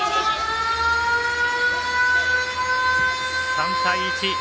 ３対１。